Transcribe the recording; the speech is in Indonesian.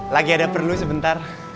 lagi ada perlu sebentar